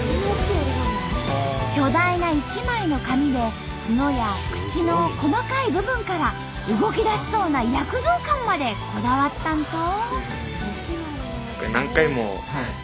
巨大な一枚の紙で角や口の細かい部分から動きだしそうな躍動感までこだわったんと！